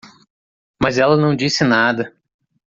Mas ela não disse nada.